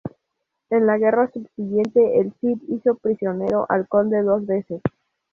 En la guerra subsiguiente, el Cid hizo prisionero al conde dos veces.